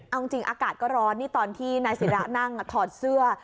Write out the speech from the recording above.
เอาจริงอากาศก็ร้อนนี่ตอนที่นายศิระนั่งถอดเสื้อ